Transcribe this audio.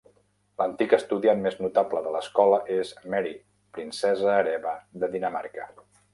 L'antic estudiant més notable de l'escola és Mary, Princesa Hereva de Dinamarca.